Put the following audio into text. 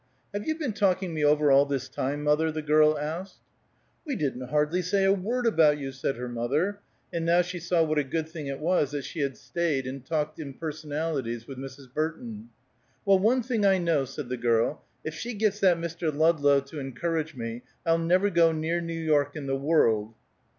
"Have you been talking me over all this time, mother?" the girl asked. "We didn't hardly say a word about you," said her mother, and now she saw what a good thing it was that she had staid and talked impersonalities with Mrs. Burton. "Well, one thing I know," said the girl, "if she gets that Mr. Ludlow to encourage me, I'll never go near New York in the world."